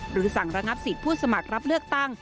หรือสั่งระงับสิทธิ์ผู้สมัครรับเลือกตั้ง